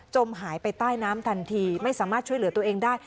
หายไปใต้น้ำทันทีไม่สามารถช่วยเหลือตัวเองได้